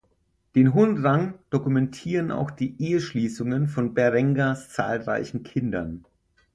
Den hohen Rang dokumentieren auch die Eheschließungen von Berengars zahlreichen Kindern.